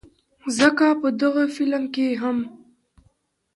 ځکه په دغه فلم کښې هم